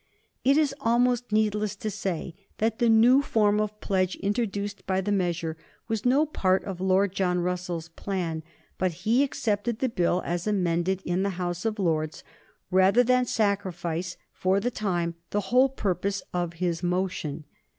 It is almost needless to say that the new form of pledge introduced by the measure was no part of Lord John Russell's plan, but he accepted the Bill as amended in the House of Lords rather than sacrifice, for the time, the whole purpose of his motion.